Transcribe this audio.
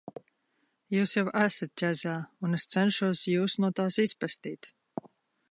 Jūs jau esat ķezā, un es cenšos Jūs no tās izpestīt.